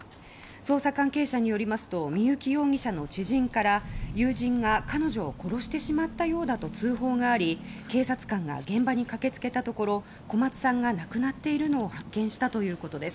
捜査関係者によりますと三幸容疑者の知人から友人が彼女を殺してしまったようだと通報があり警察官が現場に駆け付けたところ小松さんが亡くなっているのを発見したということです。